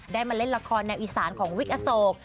มาเล่นละครแนวอีสานของวิกอโศก